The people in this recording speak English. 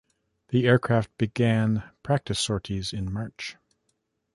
The aircraft began practice sorties in March.